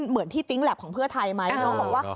เหมือนที่ติ๊งแล็บของเพื่อไทยไหมน้องบอกว่า